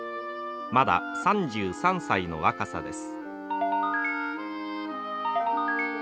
まだ３３歳の若さです。